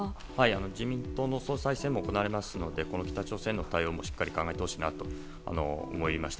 自民党の総裁選も行われますのでこの北朝鮮の対応もしっかり考えてほしいなと思いました。